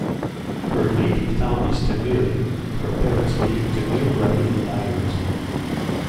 Her native tongue is Tamil, her parents being Tamil Brahmin Iyers.